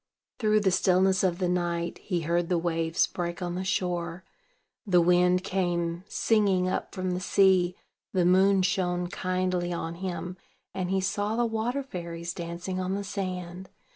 Through the stillness of the night, he heard the waves break on the shore; the wind came singing up from the sea; the moon shone kindly on him, and he saw the water fairies dancing on the sand.